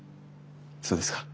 そうですか。